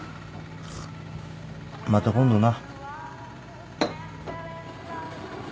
また今度な。